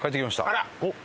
あら！